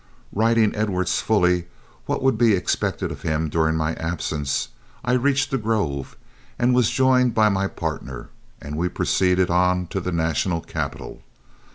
Writing Edwards fully what would be expected of him during my absence, I reached The Grove and was joined by my partner, and we proceeded on to the national capital.